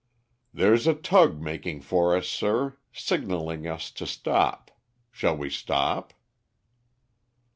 "There's a tug making for us, sir, signalling us to stop. Shall we stop?"